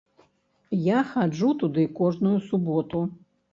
Я хаджу туды кожную суботу.